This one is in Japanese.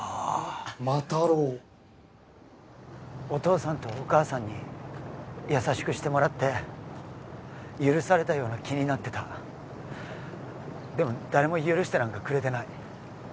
魔太郎お父さんとお母さんに優しくしてもらって許されたような気になってたでも誰も許してなんかくれてない